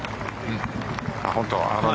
本当？